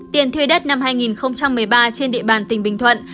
tiền thuê đất năm hai nghìn một mươi ba trên địa bàn tỉnh bình thuận